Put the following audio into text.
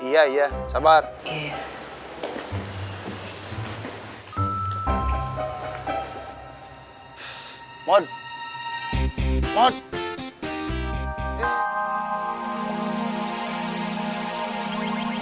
yaudah cepetan ya boy ya